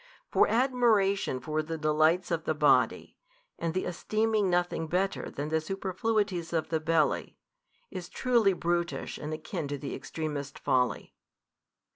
For admiration for the delights of the body, and the esteeming nothing better than the superfluities of the belly, is truly brutish and akin to the extremest folly.